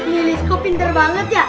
lilis kau pinter banget ya